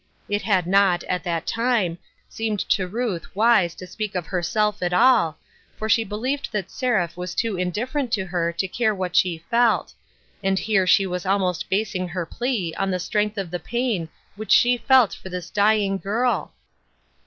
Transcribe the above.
It had not, at that time, seemed to Ruth wise to speak of herself at all, for she believed that Seraph was too indifferent to her to care what she felt ; and here she was almost basing her plea on the strength of the pain which she felt for this dying girl!